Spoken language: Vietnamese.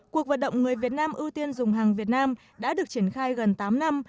cuộc vận động người việt nam ưu tiên dùng hàng việt nam đã được triển khai gần tám năm